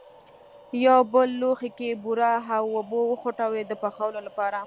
په یو بل لوښي کې بوره او اوبه وخوټوئ د پخولو لپاره.